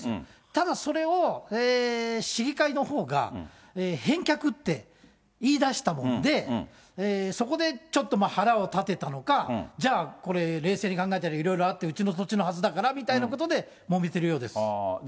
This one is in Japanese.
ただ、それを市議会のほうが返却って言いだしたもんで、そこでちょっと腹を立てたのか、じゃあこれ、冷静に考えたらいろいろあって、うちの土地のはずだからみたいなことでもめてるようです。